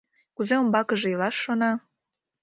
Кузе умбакыже илаш шона?